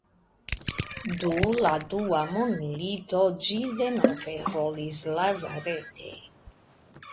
Du la Dua mondmilito ĝi denove rolis lazarete.